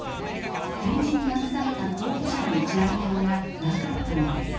点字に訳された候補者の一覧表がなかったのです。